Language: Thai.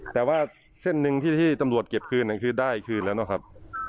แต่ว่าเส้นหนึ่งที่ตำรวจเก็บคืนคือได้คืนแล้วนะครับ